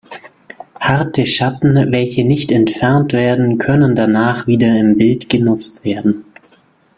Harte Schatten, welche nicht entfernt werden, können danach wieder im Bild genutzt werden.